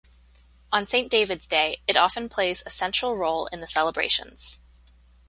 On Saint David's Day it often plays a central role in the celebrations.